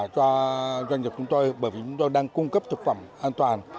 cho doanh nghiệp chúng tôi bởi vì chúng tôi đang cung cấp thực phẩm an toàn